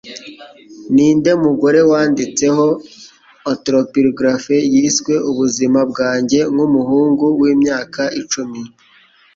Ninde Mugore Wanditseho Autobiography Yiswe "Ubuzima Bwanjye Nkumuhungu Wimyaka icumi"